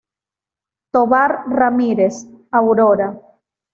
Tovar Ramírez, Aurora.